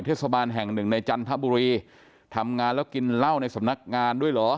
เทศบาลแห่งหนึ่งในจันทบุรีทำงานแล้วกินเหล้าในสำนักงานด้วยเหรอ